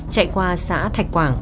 chạy qua xã thạch quảng